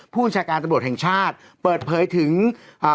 ผู้บัญชาการตำรวจแห่งชาติเปิดเผยถึงอ่า